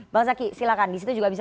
bang zaky silakan di situ juga bisa